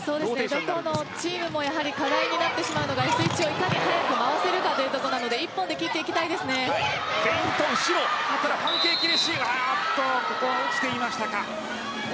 どこのチームも課題になってしまうのがＳ１をいかに早く回せるかというところなのでここは落ちていましたか。